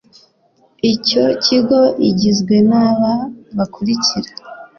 icyo kigo igizwe n aba bakurikira